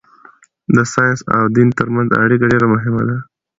د ساینس او دین ترمنځ اړیکه ډېره مهمه ده.